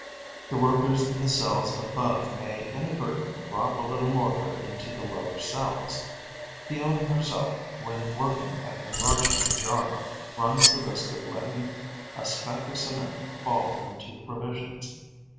The workers in the cells above may inadvertently drop a little mortar into the lower cells; the owner herself, when working at enlarging the jar, runs the risk of letting a speck of cement fall into the provisions.